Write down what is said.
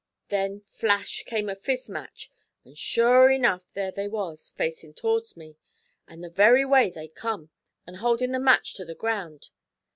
Then flash came a fizz match, an' sure enough there they was, facin' to'rds me, an' the very way they'd come, an' holdin' the match to the ground.